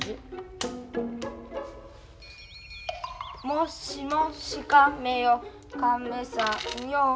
「もしもしかめよかめさんよ」